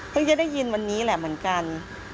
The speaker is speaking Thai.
จะได้ยินวันนี้แหละเหมือนกัน